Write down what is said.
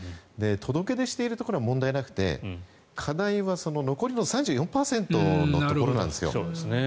届け出しているところは問題なくて課題は残りの３４％のところなんですよ。